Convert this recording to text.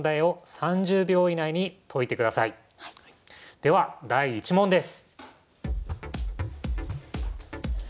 では第１問です。